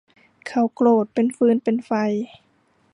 เขาโกรธเป็นฟืนเป็นไฟ